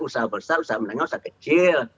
usaha besar usaha menengah usaha kecil